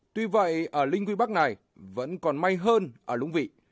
tuy vậy ở linh quy bắc này vẫn còn may hơn ở lũng vị